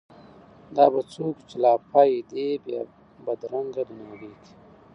دا به څوک وي چي لا پايي دې بې بد رنګه دنیاګۍ کي